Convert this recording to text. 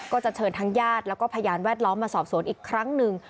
ก็จะเชิญทั้งญาติแล้วก็พยานแวดล้อมมาสอบสวนอีกครั้งหนึ่ง